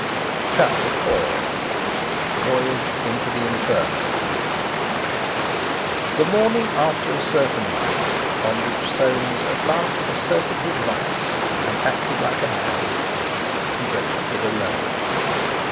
CHAPTER IV VOYAGE INTO THE INFERNO The morning after a certain night on which Soames at last asserted his rights and acted like a man, he breakfasted alone.